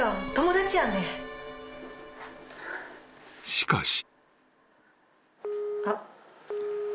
☎［しかし］